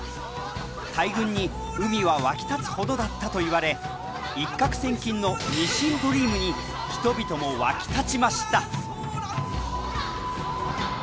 大群に海は沸き立つほどだったといわれ一獲千金のニシンドリームに人々も沸き立ちました。